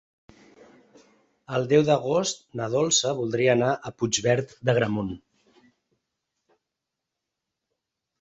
El deu d'agost na Dolça voldria anar a Puigverd d'Agramunt.